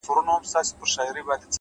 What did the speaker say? مثبت فکر د وېرې وزن کموي’